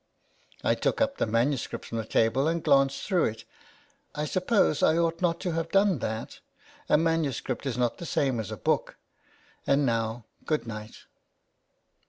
I took up the manuscript from the table and glanced through it. I suppose 1 ought not to have done that : a manuscript is not the same as a book. And now good night."